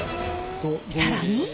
更に。